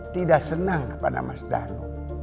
tidak senang kepada mas dhanu